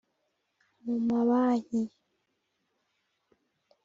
mu mabanki